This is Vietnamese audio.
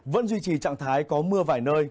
vẫn duy trì trạng thái có mưa vài nơi